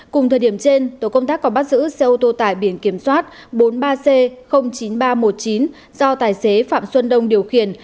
cùng thời điểm trên tổ công tác còn bắt giữ xe ô tô tải biển kiểm soát bốn mươi ba c chín nghìn ba trăm một mươi chín do tài xế phạm xuân đông điều khiển